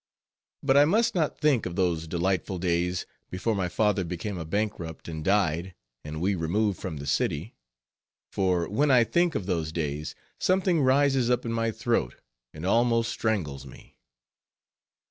But I must not think of those delightful days, before my father became a bankrupt, and died, and we removed from the city; for when I think of those days, something rises up in my throat and almost strangles me.